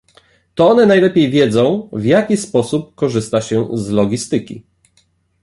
To one najlepiej wiedzą, w jaki sposób korzysta się z logistyki